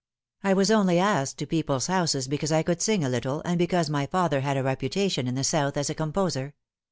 I was only asked to people's houses because I could sing a little, and because my father had a reputation in the South as a composer.